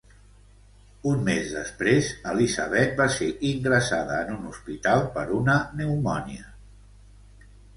Un mes després, Elizabeth va ser ingressada en un hospital per una pneumònia.